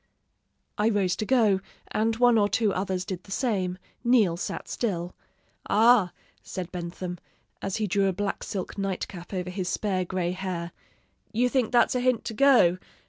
"I rose to go, and one or two others did the same; Neal sat still. 'Ah!' said Bentham, as he drew a black silk night cap over his spare gray hair, 'you think that's a hint to go.